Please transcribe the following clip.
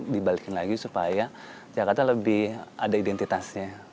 dibalikin lagi supaya jakarta lebih ada identitasnya